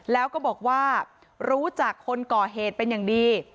แล้วก็บอกว่ารู้จักคนก่อเหตุเป็นอย่างดี